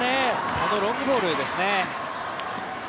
このロングボールですね。